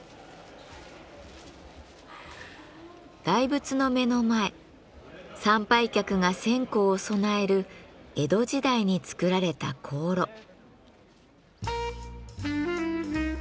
大仏の目の前参拝客が線香を供える江戸時代に作られた香炉。